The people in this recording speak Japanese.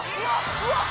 うわっ